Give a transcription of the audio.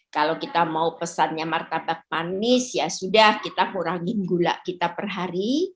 kalau kita mau pesannya martabak manis ya sudah kita kurangin gula kita per hari